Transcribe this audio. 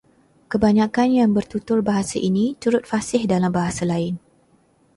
Kebanyakan yang bertutur bahasa ini turut fasih dalam bahasa lain